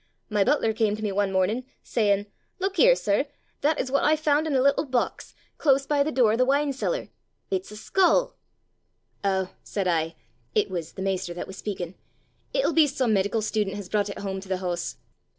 'my butler came to me one mornin', sayin', "Look here, sir! that is what I found in a little box, close by the door of the wine cellar! It's a skull!" "Oh," said I, ' it was the master that was speakin' ' "it'll be some medical student has brought it home to the house!"